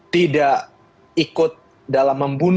tidak ikut dalam perang